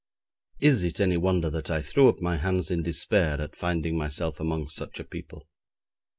Is it any wonder that I threw up my hands in despair at finding myself amongst such a people.